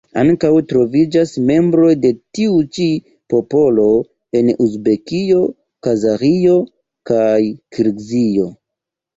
Ankaŭ troviĝas membroj de tiu ĉi popolo en Uzbekio, Kazaĥio kaj Kirgizio.